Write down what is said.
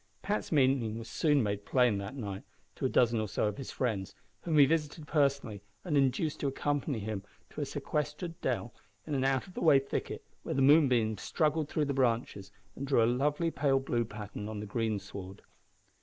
Pat's meaning was soon made plain, that night, to a dozen or so of his friends, whom he visited personally and induced to accompany him to a sequestered dell in an out of the way thicket where the moonbeams struggled through the branches and drew a lovely pale blue pattern on the green sward.